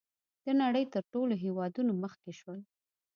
د نړۍ تر نورو هېوادونو مخکې شول.